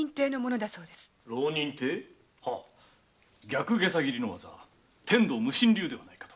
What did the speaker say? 逆袈裟斬の技天道無心流ではないかと。